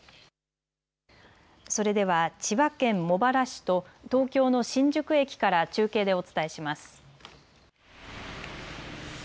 それでは千葉県茂原市と東京の新宿駅から中継でお伝えします。